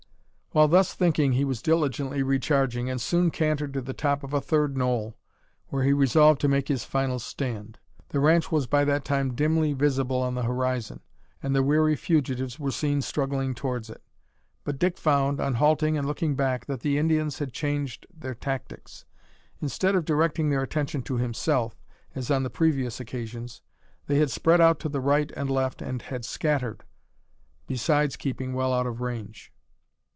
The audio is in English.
While thus thinking he was diligently re charging, and soon cantered to the top of a third knoll, where he resolved to make his final stand. The ranch was by that time dimly visible on the horizon, and the weary fugitives were seen struggling towards it. But Dick found, on halting and looking back, that the Indians had changed their tactics. Instead of directing their attention to himself, as on the previous occasions, they had spread out to the right and left and had scattered, besides keeping well out of range.